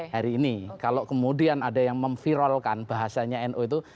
hari ini kalau kemudian ada yang memviralkan bahasanya nu itu